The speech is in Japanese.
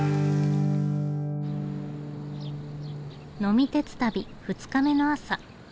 呑み鉄旅二日目の朝。